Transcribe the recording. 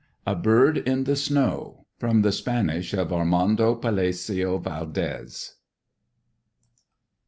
A BIRD IN THE SNOW. From the Spanish of ARMANDO PALACIO VALDÉS.